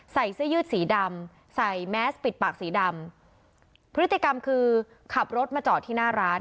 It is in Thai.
ใส่เสื้อยืดสีดำใส่แมสปิดปากสีดำพฤติกรรมคือขับรถมาจอดที่หน้าร้าน